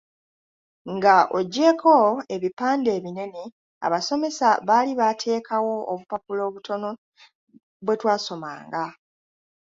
"Nga oggyeeko ebipande ebinene, abasomesa baali baateekawo obupapula obutono bwe twasomanga."